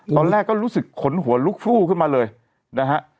ตอนแรกก็รู้สึกขนหัวลุกฟู้ขึ้นมาเลยนะฮะ